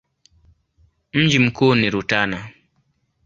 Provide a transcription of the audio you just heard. Mji mkuu ni Rutana.